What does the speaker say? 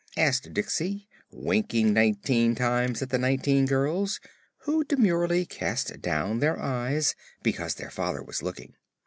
asked Diksey, winking nineteen times at the nineteen girls, who demurely cast down their eyes because their father was looking.